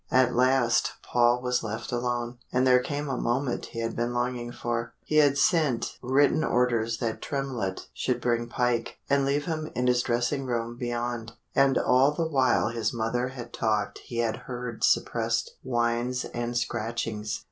At last Paul was left alone, and there came a moment he had been longing for. He had sent written orders that Tremlett should bring Pike, and leave him in his dressing room beyond and all the while his mother had talked he had heard suppressed whines and scratchings.